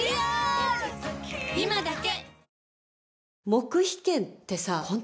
今だけ！